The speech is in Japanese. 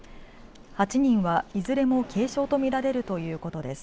８人はいずれも軽傷とみられるということです。